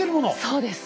そうです。